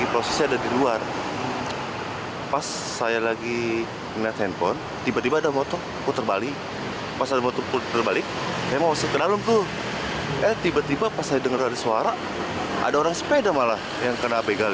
ketika korban terbalik saya masuk ke dalam tiba tiba saat saya mendengar suara ada orang sepeda yang terkena begal